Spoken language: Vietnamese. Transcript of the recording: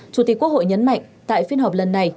chủ tịch quốc hội nhấn mạnh tại phiên họp lần này